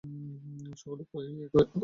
সকলেই তো ঐ এক কথাই বলে।